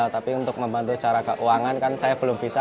tapi untuk membantu secara keuangan kan saya belum bisa